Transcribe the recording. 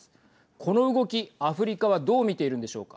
この動きアフリカはどう見ているんでしょうか。